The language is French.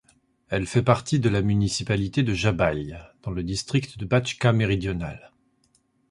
Elle fait partie de la municipalité de Žabalj dans le district de Bačka méridionale.